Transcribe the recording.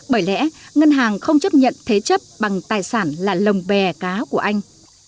bởi lẽ ngân hàng không chấp nhận thế chấp bằng tài sản là lồng bè cá của anh